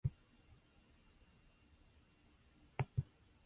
The Congress meets every second year, at Team Olympiads and at World Championships.